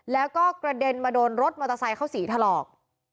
แล้วก็กระเด็นมาโดนรถมอเตอร์ไซค์เขาสีถลอก